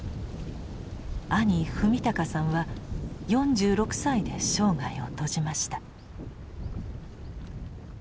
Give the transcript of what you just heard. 兄史敬さんは４６歳で生涯を閉じました。